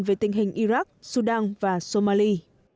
về tình hình iraq sudan và somali